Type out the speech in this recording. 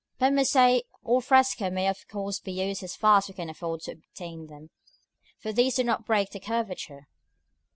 But mosaic or fresco may of course be used as far as we can afford or obtain them; for these do not break the curvature.